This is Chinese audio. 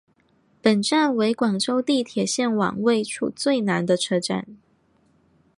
本站为广州地铁线网位处最南的车站。